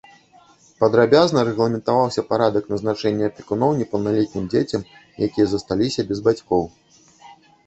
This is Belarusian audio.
Падрабязна рэгламентаваўся парадак назначэння апекуноў непаўналетнім дзецям, якія засталіся без бацькоў.